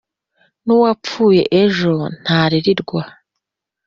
Nuwapfuye ejo ntaririrwa.